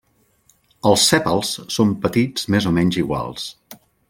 Els sèpals són petits més o menys iguals.